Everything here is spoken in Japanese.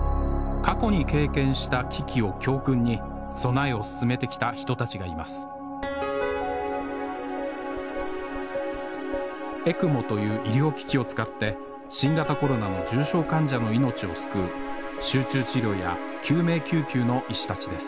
過去に経験した危機を教訓に備えを進めてきた人たちがいますＥＣＭＯという医療機器を使って新型コロナの重症患者の命を救う集中治療や救命救急の医師たちです